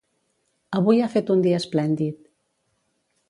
Avui ha fet un dia esplèndid.